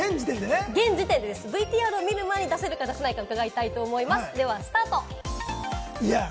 現時点でＶＴＲを見る前に出せるか出せないか伺いたいと思います。